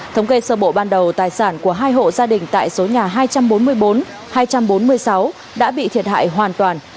thống kê sơ bộ ban đầu tài sản của hai hộ gia đình tại số nhà hai trăm bốn mươi bốn hai trăm bốn mươi sáu đã bị thiệt hại hoàn toàn